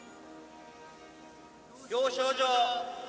表彰状。